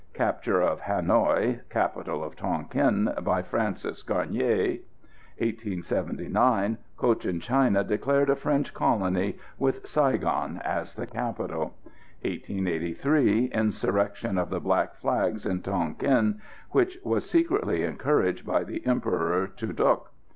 Capture of Hanoï (capital of Tonquin) by Francis Garnier. 1879. Cochin China declared a French colony, with Saigon as the capital. 1883. Insurrection of the Black Flags in Tonquin, which was secretly encouraged by the Emperor Tu Duc.